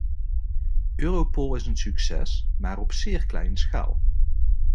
Europol is een succes, maar op zeer kleine schaal.